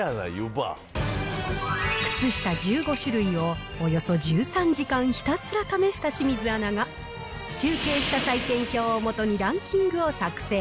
靴下１５種類を、およそ１３時間ひたすら試した清水アナが、集計した採点表をもとにランキングを作成。